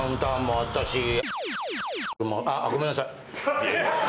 あごめんなさい。